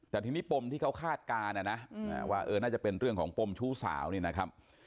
แต่ทีนี้ปมที่เขาคาดการณ์นะว่าน่าจะเป็นเรื่องของปมชู้สาวนี่นะครับ